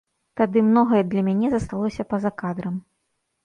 Тады многае для мяне засталося па-за кадрам.